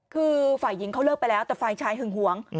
คือฝ่ายหญิงเขาเลิกไปแล้วแต่ฝ่ายชายหึงหวง